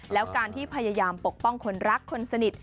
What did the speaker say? แล้วการที่พยายามปกป้องคนรักคนสนิท